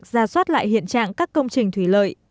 ra soát lại hiện trạng các công trình thủy lợi